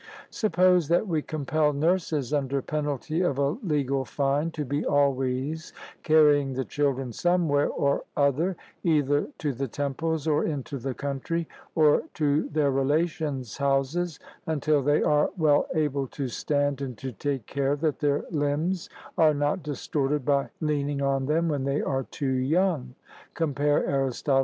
Suppose that we compel nurses, under penalty of a legal fine, to be always carrying the children somewhere or other, either to the temples, or into the country, or to their relations' houses, until they are well able to stand, and to take care that their limbs are not distorted by leaning on them when they are too young (compare Arist.